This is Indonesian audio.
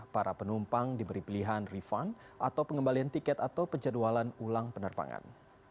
para penumpang diberi pilihan refund atau pengembalian tiket atau penjadwalan ulang penerbangan